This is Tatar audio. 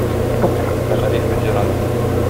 мәгариф ветераны.